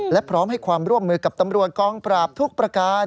และพร้อมให้ความร่วมมือกับตำรวจกองปราบทุกประการ